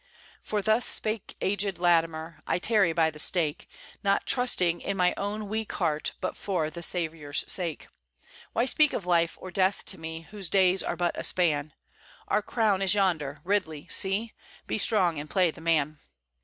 "For thus spake aged Latimer: I tarry by the stake, Not trusting in my own weak heart, But for the Saviour's sake. Why speak of life or death to me, Whose days are but a span? Our crown is yonder, Ridley, see! Be strong and play the man!